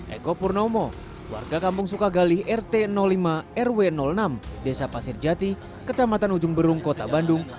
eko purnomo warga kampung sukagali rt lima rw enam desa pasir jati kecamatan ujung berung kota bandung